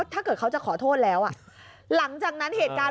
ถ้าเกิดเขาจะขอโทษแล้วหลังจากนั้นเหตุการณ์